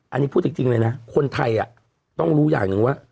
อันนี้พูดจริงเลยนะคนไทยต้องรู้อย่างหนึ่งว่า